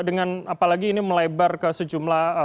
dengan apalagi ini melebar ke sejumlah